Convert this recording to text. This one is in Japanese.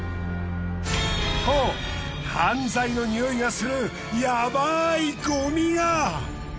と犯罪のにおいがするヤバいゴミが！